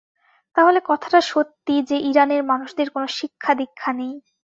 তাহলে কথাটা সত্যি যে, ইরানের মানুষদের কোনো শিক্ষা দীক্ষা নেই।